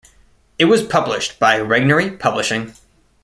It was published by Regnery Publishing.